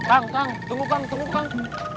kang kang tunggu kang tunggu kang